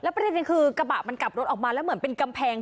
ประเด็นคือกระบะมันกลับรถออกมาแล้วเหมือนเป็นกำแพง